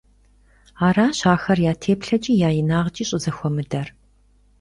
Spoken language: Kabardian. Аращ ахэр я теплъэкIи я инагъкIи щIызэхуэмыдэр.